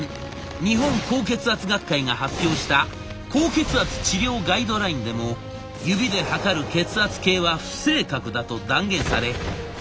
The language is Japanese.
日本高血圧学会が発表した高血圧治療ガイドラインでも「指で測る血圧計は不正確だ」と断言されついにギブアップ。